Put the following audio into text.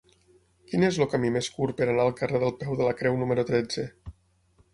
Quin és el camí més curt per anar al carrer del Peu de la Creu número tretze?